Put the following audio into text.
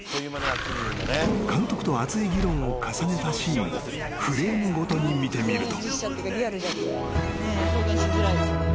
［監督と熱い議論を重ねたシーンをフレームごとに見てみると］